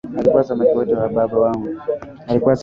Alikula samaki wote wa baba